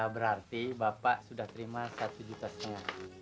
berarti bapak sudah terima satu juta setengah